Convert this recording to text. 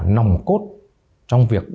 nòng cốt trong việc